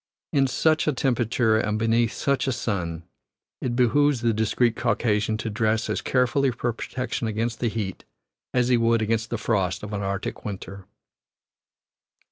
In such a temperature and beneath such a sun it behooves the discreet Caucasian to dress as carefully for protection against the heat as he would against the frost of an Arctic winter.